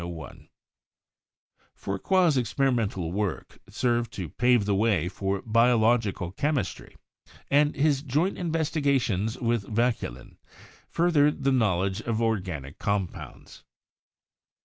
Fourcroy 's experimental work served to pave the way for biological chemistry, and his joint investigations with Vauquelin furthered the knowledge of organic compounds.